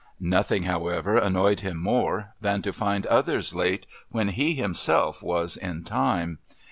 Nothing, however, annoyed him more than to find others late when he himself was in time.